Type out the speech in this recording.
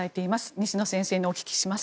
西野先生にお聞きします。